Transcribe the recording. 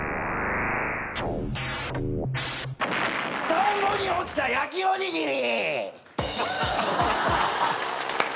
田んぼに落ちた焼きおにぎり！